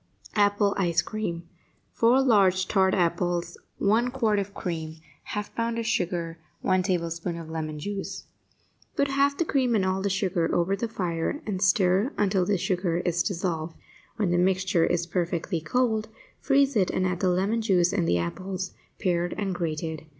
APPLE ICE CREAM 4 large tart apples 1 quart of cream 1/2 pound of sugar 1 tablespoonful of lemon juice Put half the cream and all the sugar over the fire and stir until the sugar is dissolved. When the mixture is perfectly cold, freeze it and add the lemon juice and the apples, pared and grated.